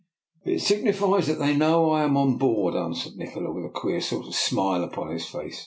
'* "It signifies that they know that I am on board," answered Nikola, with a queer sort of smile upon his face.